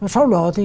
sau đó thì